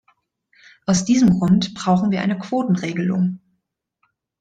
Aus diesem Grund brauchen wir eine Quotenregelung.